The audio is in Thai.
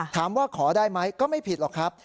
ถามว่าขอได้ไหมก็ไม่ผิดหรอกครับ